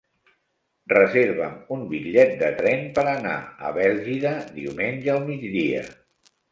Reserva'm un bitllet de tren per anar a Bèlgida diumenge al migdia.